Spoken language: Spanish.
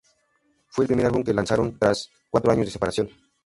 Fue el primer álbum que lanzaron tras cuatro años de separación.